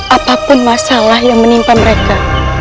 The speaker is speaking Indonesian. apapun masalah yang menimpa mereka